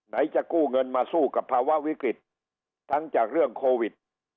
จะกู้เงินมาสู้กับภาวะวิกฤตทั้งจากเรื่องโควิด